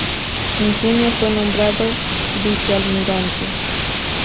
En junio fue nombrado vicealmirante.